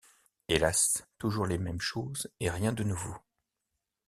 Hélas! toujours les mêmes choses et rien de nouveau.